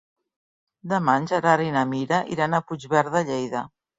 Demà en Gerard i na Mira iran a Puigverd de Lleida.